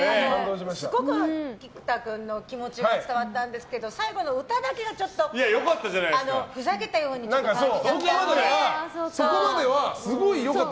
すごく菊田君の気持ちが伝わったんですけど最後の歌だけがちょっとふざけたようにそこまではすごい良かった。